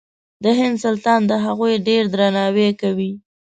د هند سلطان د هغوی ډېر درناوی کوي.